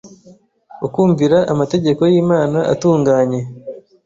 ukumvira amategeko y’Imana atunganye.